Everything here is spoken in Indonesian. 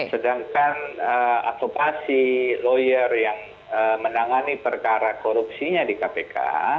sedangkan advokasi lawyer yang menangani perkara korupsinya di kpk